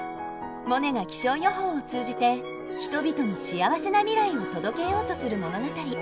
モネが気象予報を通じて人々に幸せな未来を届けようとする物語。